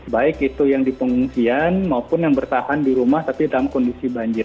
baik itu yang di pengungsian maupun yang bertahan di rumah tapi dalam kondisi banjir